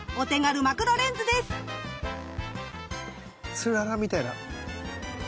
つららみたいな。